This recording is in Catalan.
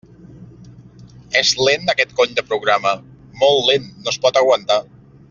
És lent aquest cony de programa, molt lent, no es pot aguantar!